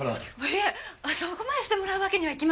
いえそこまでしてもらうわけにはいきません！